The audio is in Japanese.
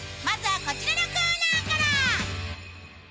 まずはこちらのコーナーから。